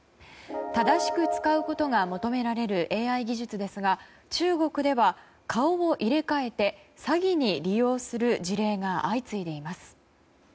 正しく使うことが求められるＡＩ技術ですが中国では顔を入れ替えて詐欺に利用する事例が相次いでいます。